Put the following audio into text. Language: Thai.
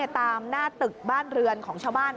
ตามหน้าตึกบ้านเรือนของชาวบ้าน